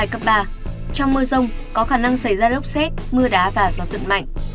trong mưa rông có khả năng xảy ra lốc xét mưa đá và gió giật mạnh